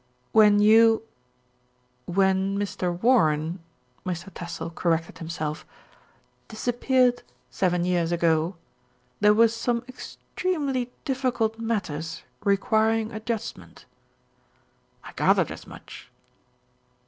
"When you when Mr. Warren," Mr. Tassell cor rected himself, "disappeared seven years ago, there were some extremely difficult matters requiring adjust ment." "I gathered as much."